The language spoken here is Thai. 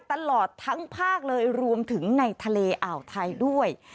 ตลอดทั้งภาคเลยรวมถึงในทะเลอ่าวไทยด้วย